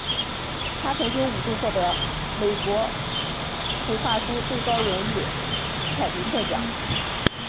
他曾经五度获得美国图画书最高荣誉凯迪克奖。